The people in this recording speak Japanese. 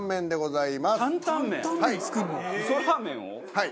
はい。